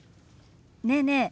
ねえねえ